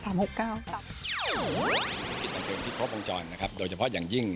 ธุรกิจเพลงที่โฟร์โภงจรโดยเฉพาะอย่างยิ่ง